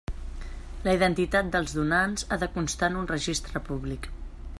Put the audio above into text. La identitat dels donants ha de constar en un registre públic.